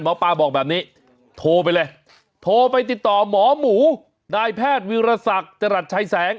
หมอปลาบอกแบบนี้โทรไปเลยโทรไปติดต่อหมอหมูนายแพทย์วิรสักจรัสชัยแสง